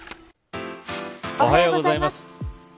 おはようございます。